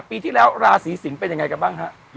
ปีที่แล้วราศีสิงศ์เป็นยังไงกันบ้างฮะ